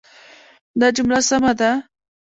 دا جمله سمه ده.